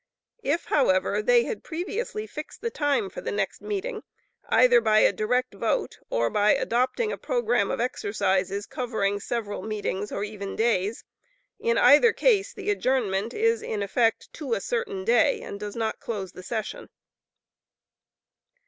If, however, they had previously fixed the time for the next meeting, either by a direct vote, or by adopting a programme of exercises covering several meetings or even days, in either case the adjournment is in effect to a certain day, and does not close the session.